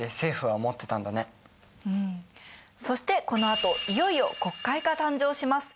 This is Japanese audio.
そしてこのあといよいよ国会が誕生します！